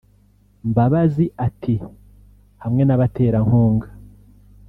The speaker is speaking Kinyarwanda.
Mbabazi ati “hamwe n’abaterankunga